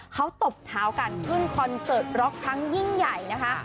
เขาตบเท้ากันขึ้นคอนเสิร์ตร็อกครั้งยิ่งใหญ่นะคะ